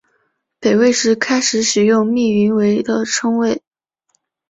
北魏时开始使用密云为的称谓。